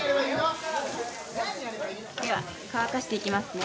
では乾かしていきますね。